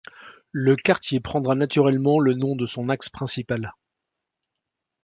Le quartier prendra naturellement le nom de son axe principal.